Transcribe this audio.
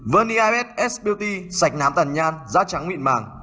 verniabed s beauty sạch nám tàn nhan da trắng mịn màng